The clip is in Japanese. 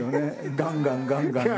ガンガンガンガンね。